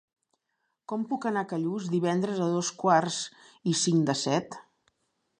Com puc anar a Callús divendres a dos quarts i cinc de set?